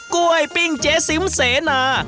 กล้วยปิ้งเจ๊สิมเสนา